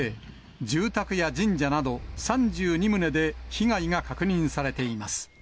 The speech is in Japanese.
住宅や神社など、３２棟で被害が確認されています。